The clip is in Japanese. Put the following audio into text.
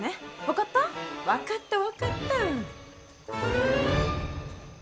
分かった分かった。